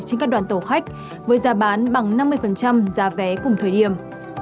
trên các đoàn tàu khách với giá bán bằng năm mươi giá vé cùng thời điểm